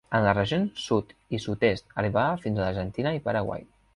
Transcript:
En les regions sud i sud-est arribava fins a l'Argentina i Paraguai.